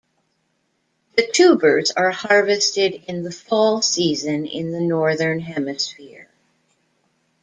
The tubers are harvested in the fall season in the Northern hemisphere.